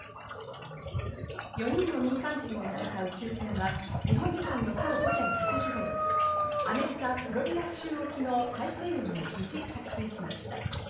４人の民間人を乗せた宇宙船は日本時間の今日午前８時頃、アメリカ、フロリダ州沖の大西洋に無事、着水しました。